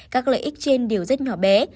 các lợi ích trên đều rất nhỏ bé